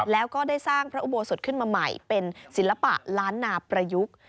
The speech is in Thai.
แล้วก็ได้สร้างพระอุโบสถขึ้นมาใหม่เป็นศิลปะล้านนาประยุกต์